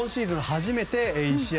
初めて１試合